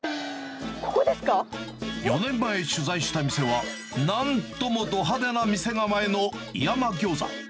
４年前取材した店は、なんともど派手な店構えのいわま餃子。